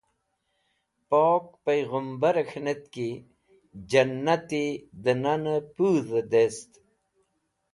Pok Paighumbare K̃hinetki, Jannati de Nane Pudhe Dest